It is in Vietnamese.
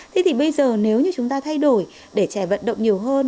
thế thì bây giờ nếu như chúng ta thay đổi để trẻ vận động nhiều hơn